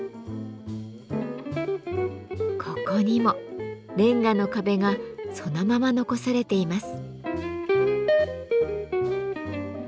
ここにもレンガの壁がそのまま残されています。